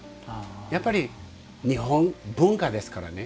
やっぱり、日本文化ですからね。